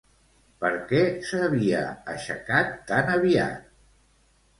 Per què s'havia aixecat tan aviat?